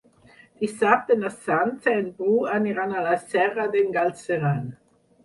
Dissabte na Sança i en Bru aniran a la Serra d'en Galceran.